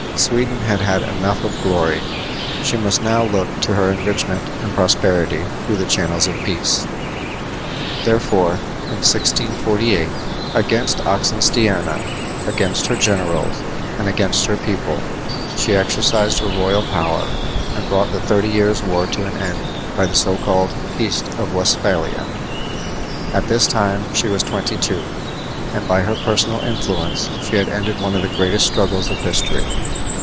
Sweden had had enough of glory; she must now look to her enrichment and prosperity through the channels of peace. Therefore, in 1648, against Oxenstierna, against her generals, and against her people, she exercised her royal power and brought the Thirty Years' War to an end by the so called Peace of Westphalia. At this time she was twenty two, and by her personal influence she had ended one of the greatest struggles of history.